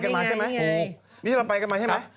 นี่ที่เราไปกันมาใช่ไหม